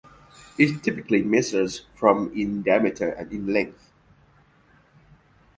It typically measures from in diameter and in length.